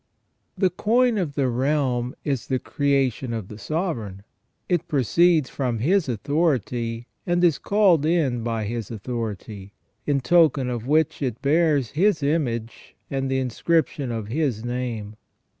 THE coin of the realm is the creation of the sovereign ; it proceeds from his authority and is called in by his authority, in token of which it bears his image and the inscription of his name.